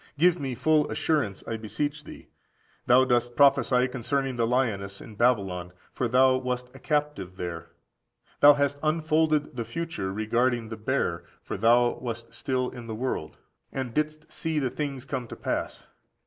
Give me full assurance, I beseech thee. Thou dost prophesy concerning the lioness in Babylon;14661466 Dan. vii. 4. for thou wast a captive there. Thou hast unfolded the future regarding the bear; for thou wast still in the world, and didst see the things come to pass.